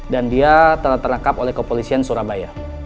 dan dia telah tertangkap oleh kepolisian surabaya